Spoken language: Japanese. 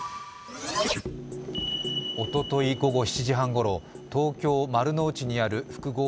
おととい午後７時半ごろ東京・丸の内にある複合